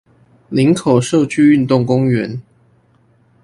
林口社區運動公園